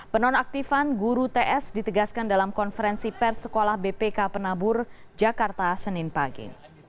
penonaktifan guru ts ditegaskan dalam konferensi pers sekolah bpk penabur jakarta senin pagi